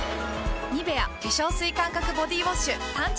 「ニベア」化粧水感覚ボディウォッシュ誕生！